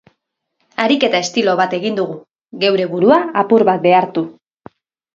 Ariketa estilo bat egin dugu, geure burua apur bat behartu.